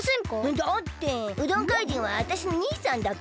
だってうどん怪人はあたしの兄さんだから。